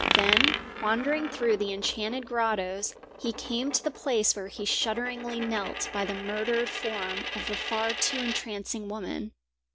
Then, wandering through the enchanted grottos, he came to the place where he shudderingly knelt by the murdered form of the far too entrancing woman.